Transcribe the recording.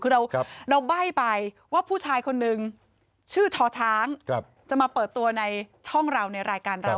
คือเราใบ้ไปว่าผู้ชายคนนึงชื่อชอช้างจะมาเปิดตัวในช่องเราในรายการเรา